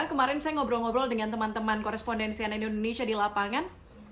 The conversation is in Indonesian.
kemarin saya ngobrol ngobrol dengan teman teman korespondensi ann indonesia di lapangan